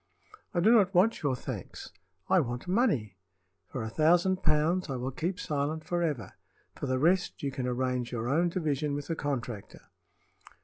I do not want your thanks; I want money. For a thousand pounds I will keep silent forever. For the rest, you can arrange your own division with the contractor."